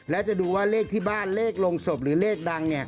และจะดูว่าเลขที่บ้านเลขลงศพหรือเลขดังเนี่ย